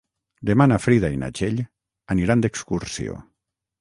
Demà na Frida i na Txell aniran d'excursió.